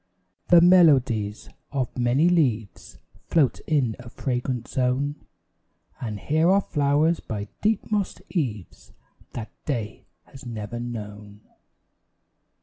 The melodies of many leaves Float in a fragrant zone; And here are flowers by deep mossed eaves That day has never known.